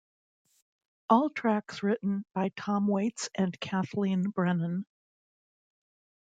All tracks written by Tom Waits and Kathleen Brennan.